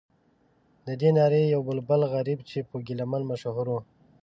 ددې نارې یو بلبل غریب چې په ګیله من مشهور و.